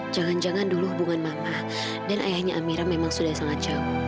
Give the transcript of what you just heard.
jangan jangan dulu hubungan mama dan ayahnya amira memang sudah sangat jauh